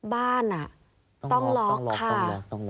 บ้านต้องล็อกค่ะ